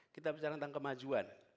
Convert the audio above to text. kita bicara tentang kemajuan